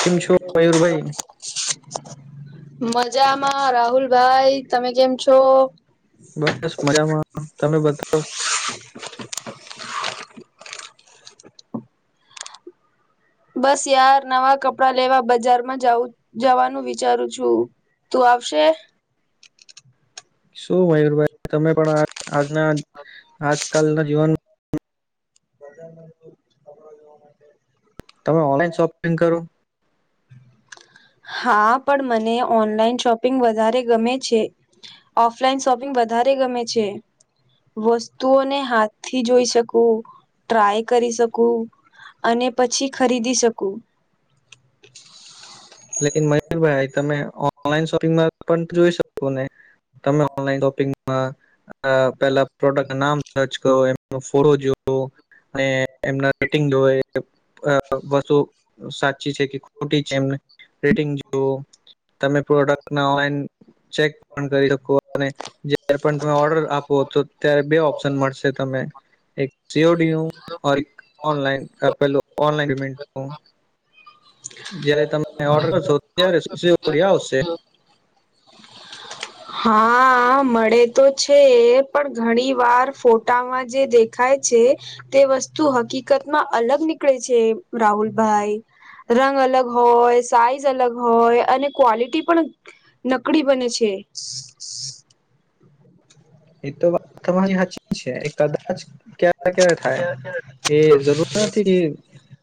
કેમ છ મયૂરભાઈ મજામાં રાહુલ ભાઈ તમે કેમ છો. બસ મજામાં તમે બતાવ [inaudible] બસ યાર નવા કપડા લેવા બજારમાં જવાનું વિચારું છુ. તુ આવશે શું મયુરભાઈ તમે પણ આજના આજકાલના જીવનમા બજા [inaudible] તમે ઓનલાઈન શોપ ટિગ કરો હા પણ મને ઓનલાઈન શોપિંગ વધારે ગમે છે. ઓફલાઈન શોપિંગ વધારે ગમે છે. વસ્તુઓને હાથ થી જોઈ શકું -ટ્રાય કરી શકુ અને પછી ખરીદી શકુ લેકિન મયુરભાઈ તમે ઓનલાઈન શોપિંગમાં પણ જોઈ શકો ને તમે ઓનલાઈન શોપિંગમાં અ-અ પેલા પ્રોડક્ટ નામ સર્ચ કરો એમ ફોરો જો અને એમના રેટિંગ જોય. અ-અ વસ્તુ સાચી છે કે ખોટી છે, એમને રેટિંગ જોવ તમે પ્રોડક્ટ ઓનલાઈન ચેક પણ કરી રકો અને જયારે પણ તમે ઓર્ડર આપો તો ત્યારે બે ઓપ્શન મળશે તમે એક સીઓડી નું ઓર એ કે -ઓનલાન પેલું ઓનલાઇન પેનેમેન્ટ નું જ્યારે તમે ઓર્ડર કરશો ત્યારે સીઓડી આવશે હ [inaudible] હા આ મળે તો છે પણ ઘણી વાર ફોટામાં જે દેખા ખાય છે તે વસ્તુ હકીકત માં અલગ નીકળે છે રાહુલભાઈ રંગ અલગ હોય સાઈઝ અલગ હોય અને ક્વોલિટી પણ નકળી બને છે એ તો વાત તમારી હાચી છે એ કદાચ ક્યારે ક્યારે થાય એ જરૂર નથી કે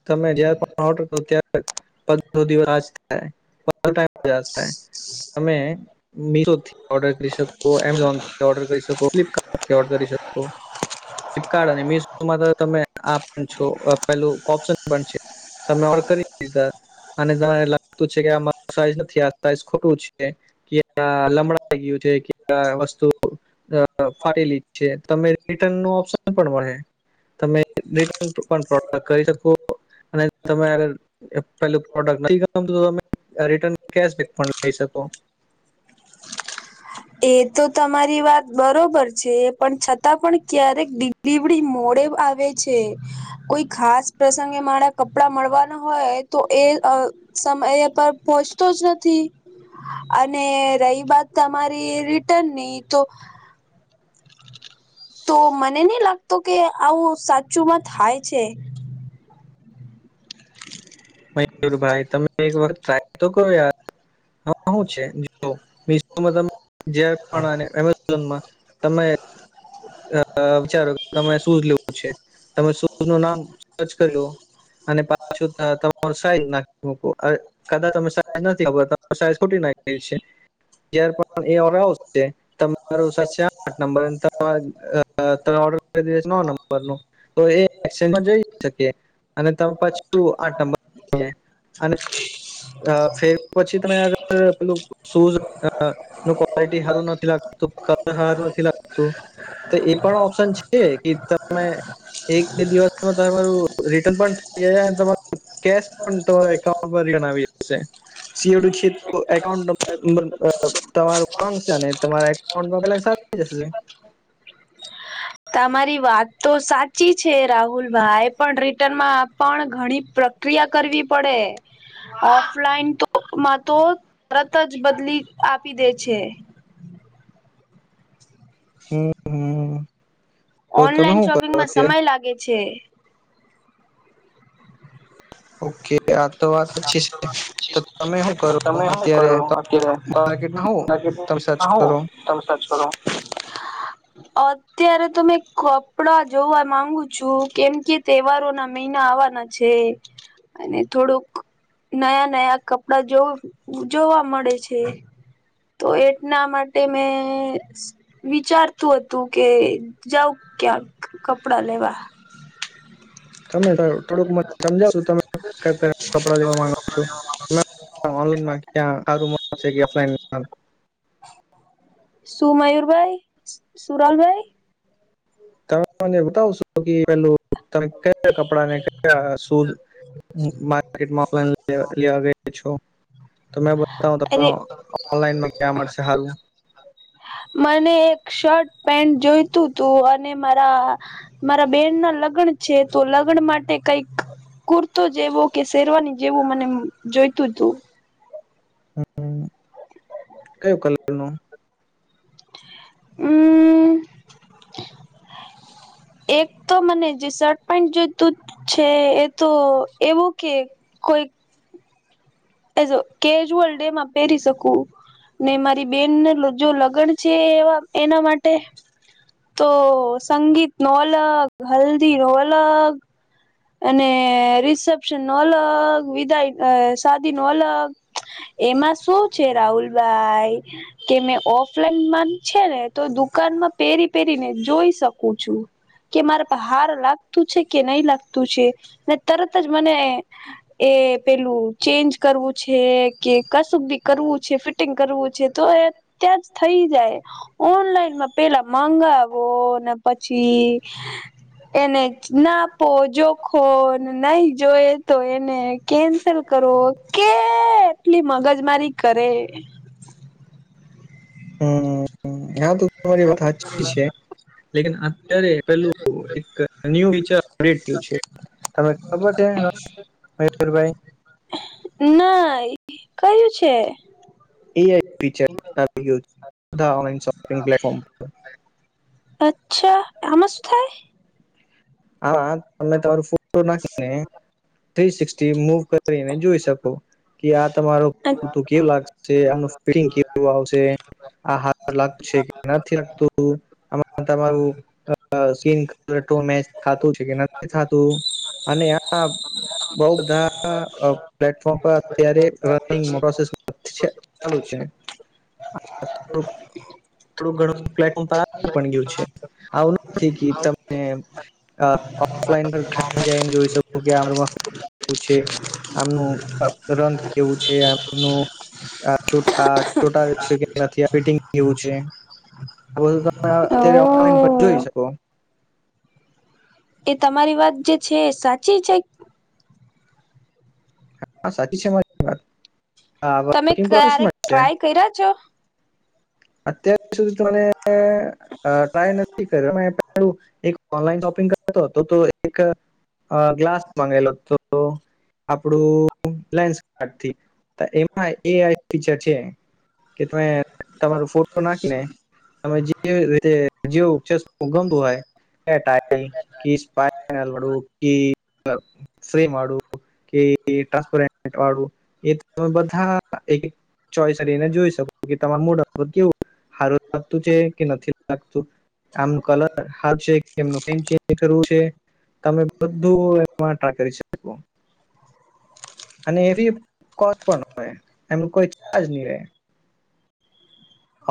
તમે જ્યારે પણ ઓર્ડર કરો ત્યારે પંદરો દિવસ [unintelligible] આ પંદ થાય તમે -મિશો થી ઓર્ડર કરી શકો એમેઝોન થી ઓર્ડર કરી શકો ફ્લિપ્ટકાટ થી ઓર્ડર કરી શકો ફ્લિપકાર્ટ અને મિશોમાં તો તમે આ પણ છો પેલું ઓપ્શન પણ છે તમે ઓર્ડર કરી દીધા અને તને લાગતું છે કે આર સાઈઝ નથી આ સાઈ ખોટું છે કે આ લમડા ગયું છે કે વસ્તુ અ ફાટેલી છે તમે રિટર્ન નો ઓપ્શન પણ હોય હે તમે રિટન પણ પ્રોડક્ટ કરી શકો અને તમે આગર પેલું પ્રોડક્ટ નથી ગ મ તો તમે રિટર્ન કેશ પણ લઈ શકો એ તો તમારી વાત બરોબર છે પણ છતાં પણ ક્યારેક દિ ડિવડી મોડે આવે છે કોઈ ખાસ પ્રસંગે મારા કપડા મળવાના હોય તો એ અ સમય પર પહોંચતો જ નથી અને રહી બાત તમ મારી રિટર્ન ની તો તો મને નહી લાગતો કે આવું સાચુંમાં થાય છે [inaudible] મયુર ભાઈ તમે એક વખત ટ્રાય તો કરો યાર હું છે જો મિશોમાં તમે [unintelligible] જ્યાં પણ અને એમેઝોનમાં તમે અ વિચારો તમે શૂઝ લેવું છે તમે શૂઝ નું નામ સર્ચ કર્યો અને પાછો ત તમારો સાઈઝ નાખો અ અ કદાચ તમે સાઈઝ નથી ખબર તો અ સાઈઝ ખોટી નાખીયે છે જ્યાર પણ એ આવશે તમારો [unintelligible] સર્ચ તે આઠ નંબર ત મારે અ-તમે ઓર્ડર કરી દીધું નવ નંબર નું તો એ એક્સચેન્જ માં જોઈ શકીએ અને તમે પાછું આ [unintelligible] નંબર અને ફેર પછી તમે [inaudible] આગળ પેલું શૂઝ અ અ નું ક્વલિટી સારું નથી લાગતું કલર સારું નથી લાગતું તો એ પણ ઓપ્શન છે. એ કે તમે એક બે દિવસમાં તમારું રિટર્ન પણ થઈ ગયા તમારું કેશ પણ તો એકાઉન્ટ પર જણાવી જશે. સીડી છે તો એકાઉન્ટ નંબર તમારું પાંક છે ને તમારા એકાઉન્ટમાં બેલેન્સ આવી જશે. તમારી વાત તો સાચી છે રાહુલ ભાઈ પણ રિટર્નમાં પણ ઘણી પ્ર ક્રિયા કરવી પડે ઓફલાઈનમાં તો બુકમા તો તરત જ બદલી આપી દે છે. હમ હમ તો તમે ઓનલાઈન શું કરો શોપિંગમાં અત્યારે સમય લાગે છે. ઓકે આ તો વાત ચી છે તો તમે શું કરો અત્યારે? માર્કેટમાં હો તમે સર્ચ કરો? તમ સર્ચ કરો? અત્યારે તો મેં કપડા જોવા માંગુ છું કેમ કે તહેવારો ના મહિના આવવાના છે અને થોડુંક નયા નયા કપડા જોવુ જોવા મળે છે. તો એટના માટે મેં વિચારતું હતું કે જાવ ક્યાંક કપડા લેવા. [inaudible] તમે થોડુંક મ સમજાવશો તમે ક ક કપડા લેવા માંગો છો? ઓનલાનમાં ક્યા સારું મ ઓફલાઈન. સુ મયુરભાઈ સુરાલભાઈ તમે મ બતાવશો કે પેલું તમે કયા કપડા ને કયા સુ માર્કેટમાં ઓલાઈન લેવા ગયો છું તો મે બતા હ ત અરે ઓનલાઈનમાં ક્યાં મળશે સારું. મને એક શર્ટ પેન્ટ જોઈતું હતું અને મારા મારા બેન ના લગ્ન છે તો લગ્ન માટે કંઈક કુર્તો જેવો કે શેરવાની જેવું મને જોઈતું હતું હમ કયું કલર નું અમ એક તો મને જે ટીશર્ટ પણ જોઈતું છે એ તો એવો કે કોઈ એ કેજુઅલ ડેમાં પેરી શકું ને મારી બેન જો લગણ છે એવા એના માટે તો સંગીત નો અલગ હલ્દી નો અલગ અને રિસેપ્શન નો અલગ વિદાય શાદી નો અલગ એમાં શું છે રાહુલભાઈ કે મેં ઓફલાઈન મા છે ને તો દુકાનમાં પહેરી પહેરીને જોઈ શકું છું. કે મારે હાર લાગતું છે કે નહી લાગ તું છે તરત જ મને એ પેલું ચેન્જ કરવું છે. કે કશું બી કરવું છે ફિટિંગ કરવું છે તો એ અત્યાં જ થઈ જાય. ઓનલાઈનમાં પેલા મગાવો ને પછી એને નાપો જોખો નહી જોય તો એને કેન્સલ કરો કેટલી મગજ મારી કરે હમ હા તો તમારી વાત સાચી છે. [unintelligible] અત પેલું નય [unintelligible] [unintelligible] ના કયું છે? એઆઈ [unintelligible] ઓનલાઇન શોપિંગ પ્લેટફોર્મ પર અચ્છા આમાં શું થાય? આમાં તમે તમારું ફોટો નાખીને થ્રી સિક્સટી મુવ કરીને જોઈ શકો કે આ તમારો [unintelligible] કેવું લાગે. છે આનું ફિટિંગ કેવું આવશે. [unintelligible] [unintelligible] બઉ બધા પ્લેટફોર્મ પર અત્યારે રનિંગ પ્રોસેસ છે. ચાલુ છે. થોડું ઘણું પ્લેટફોર્મ પર [unintelligible] આવી પણ ગયું છે આવું નથી કે તમે [unintelligible] ઓફલાઈન પર જને જોઈ શકો કે આ છે. આમનું રંગ કેવું છે આમનું આ છોટ આ છોટા કે છે ફિટિંગ કેવું છે. આ બધું તમે ઓ અત્યારે ઓનલાઈન પણ જોઈ શકો. એ તમારી વાત જે છે એ સાચી છે. હા સાચી છે મારી વાત આ વર્કિંગ પ્રોસેસમાં છે. પહેર્યા છો. અત્યાર સુધી ત્રણે આ ટ્રાય નથી કર્યો મે પેલુ એક ઓનલાઈન શોપિંગ કરતો હતો તો એક આ ગ્લાસ માગેલો હતો. તો આપડું લેન્સ [unintelligible] એમાં એ ઈ ફીચર છે કે તમે તમારો ફોટો નાખીને તમે જ રીતે જેવું [unintelligible] ભુગમ હોય એ [unintelligible] કેશ બાર લડું કે મતલબ શ્રી મળું કે ટ્રાન્સપેટ રેન્ટ વાળું એમે બધા થાહા એક ચોઈસ કરીને જોઈ શકો કે તમાર મુડ કેવું હારું લાગતું છે કે નથી લાગતું. આમનું કલર હારુ છે કે [unintelligible] કરવું છે. તમે બધું એમાં ટ્રાય કરી શકો. અને એવી કોસ પણ હોય એમનું કોઈ ચાર્જ નહી રહે.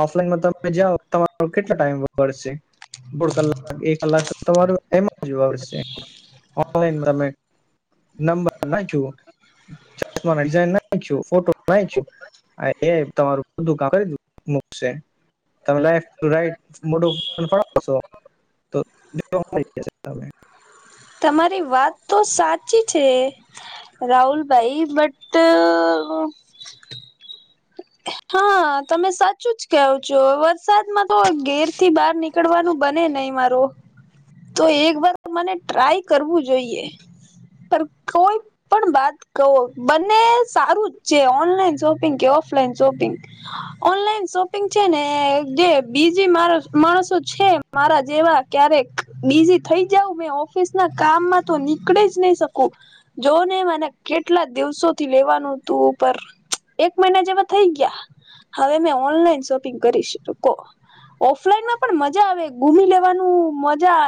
ઓફલાઈનમાં તમે જાઓ તમારો કેટલો ટાઈમ વગડશે. દોઢ કલાક એક કલાક તમારું એમાં જશે ઓનલાઈન તમે નંબર નાખ્યું [unintelligible] નાખ્યું ફોટો નાખ્યું અને એ આઈ તમારું બધું કામ કરી નાખશે. રાઈટ મોટું ફન ફાવશો તો જો તમે તમારી વાત તો સાચી છે. રાહુલભાઈ બટ હા તમે સાચું જ કહો છો. વરસાદમાં તો ઘેર થી બહાર નીકળવાનું બને નહીં મારો. તો એક વાર મને ટ્રાય કરવું જોઈએ. કોઈ પણ વાત કહો બને સારું જ છે ઓનલાઈન સો શોપિંગ કવો. [unintelligible] શોપિંગ ઓનલાઈન શોપિંગ છે ને જે બીજી મારા માણસો છે મારા જેવા ક્યારેક બિઝી થઈ ઉાવ મે ઓફિસ ના કામમાં તો નીકળે જ નહી શકું. જો ને મને કેટલા દિવસો થી લેવાનું તુ પર એક મહિના થઈ ગયા હવે મે ઓનલાઈન શોપિંગ કરી શકો. ઓફલાઈનમાં પણ મજા આવે ઘુમી લેવાનું મજા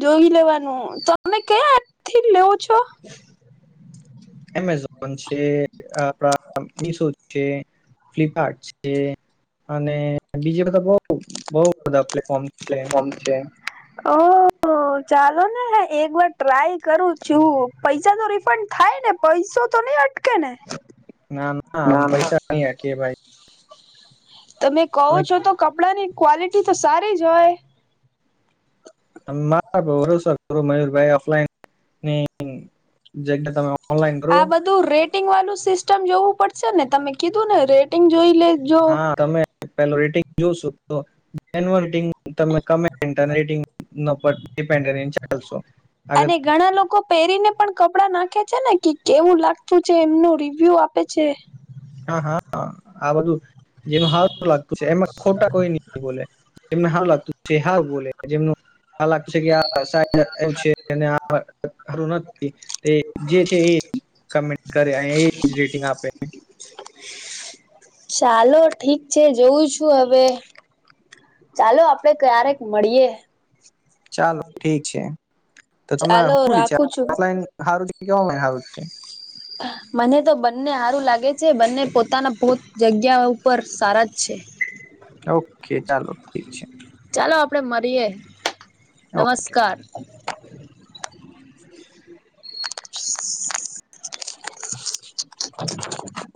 જોઈ લેવાનું તમે ક્યાંથી લેવ છો. એમેઝોન છે આપણા મીશો છે. ફ્લિપકાર્ટ છે અને બીજે બધા બહું બહું બધા પ્લેટફોર્મ છે. જે ઓ ઓ ચાલો ને એક વાર ટ્રાય કરું છું પૈસા તો રિફંડ થાય ને પૈસો તો નહી અટ અટકેને ના ના આમ પૈસા નહી અટકે ભાઈ. તમે કહો છો તો કપડાં ની ક્વોલિટી તો સારી જ હોય. મારા ભરોસો કરો મયુરભાઈ ઓફલાઈન ની જે તમે ઓનલાઇન કરો તો રેટિંગ વાળું સિસ્ટમ જોવું પડશે ને તમે કીધું ને રેટિંગ જોઈ લે તો હા તમે પેલુ રેટિંગ જોશો તો એ રટિંગ તમે કમે રટિંગ ડિપેન્ડ ચાલશો અને [unintelligible] ઘણા લોકો પહેરીને પણ કપડા નાખે છે ને કે કેવું લાગતું છે એમનું રિવ્યુ આપે છે હા હા આ બધું જેનું હારું લાગતું છે એમાં ખોટા કોઈ ની બોલે એમને હારુ લાગતું છે હાર બોલે જેમનું હાર લાગતું છે કે આ એમ છે નથી જે છે એ કમેન્ટ કરે અને એ જ રેટિંગ આપે ચાલો ઠીક છે જોઉં છું હવે ચાલો આપડે ક્યારેક મળીએ ચાલો ઠીક છે તો તમે ચાલો શું વિચાર રાખું છું ઓલાઈન હારું છે કે ઓનલાઈન હારું છે મને તો બંને હારું લાગે છે બંને પોતાના પોત જગ્યા ઉપર સારા જ છે ઓકે ચાલો ઠીક છે ચાલો આપડે મળીએ ઓકે નમસ્કાર [inaudible]